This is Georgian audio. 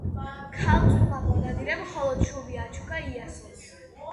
ქალწულმა მონადირემ მხოლოდ შუბი აჩუქა იასონს.